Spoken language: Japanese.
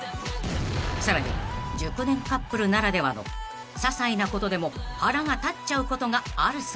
［さらに熟年カップルならではのささいなことでも腹が立っちゃうことがあるそうで］